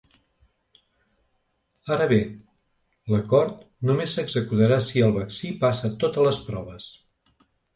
Ara bé, l’acord només s’executarà si el vaccí passa totes les proves.